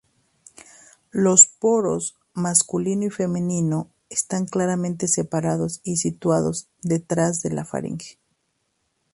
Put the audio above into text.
Los poros masculino y femenino están claramente separados y situados detrás de la faringe.